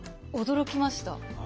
驚きました。